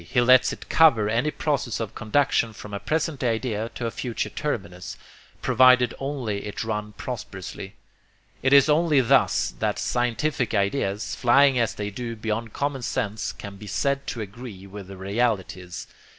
He lets it cover any process of conduction from a present idea to a future terminus, provided only it run prosperously. It is only thus that 'scientific' ideas, flying as they do beyond common sense, can be said to agree with their realities.